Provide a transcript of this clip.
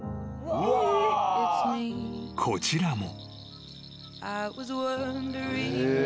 ［こちらも］